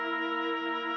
oh ini dong